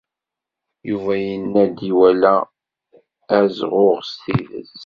Yuba yenna-d iwala azɣuɣ s tidet.